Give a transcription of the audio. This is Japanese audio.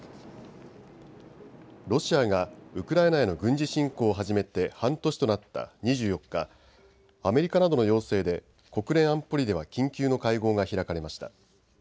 ロシアがウクライナへの軍事侵攻を始めて半年となった２４日、アメリカなどの要請で国連安保理では緊急の会合が開かれました。